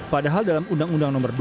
padahal dalam undang undang no dua puluh